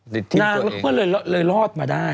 นางก็เลยรอดมาได้